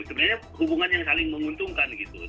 sebenarnya hubungan yang saling menguntungkan gitu